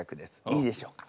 いいでしょうか？